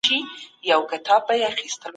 ما یو نوی کور جوړ کړی دی.